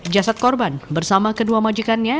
jasad korban bersama kedua majikannya